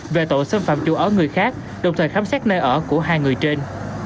về tội xâm phạm chủ ở người khác đồng thời khám xét nơi ở của hai người trên